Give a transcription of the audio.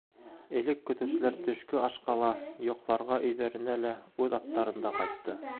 Элек көтөүселәр төшкө ашҡа ла, йоҡларға өйҙәренә лә үҙ аттарында ҡайтты.